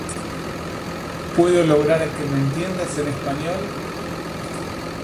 The advantage of using a two chambered roll becomes most apparent when loading.